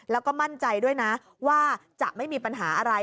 แล้วก็มั่นใจด้วยนะว่าจะไม่มีปัญหาอะไร